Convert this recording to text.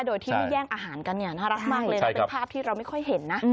โดยที่ไม่แย่งอาหารกันเนี่ยน่ารักมากเลยนะเป็นภาพที่เราไม่ค่อยเห็นนะ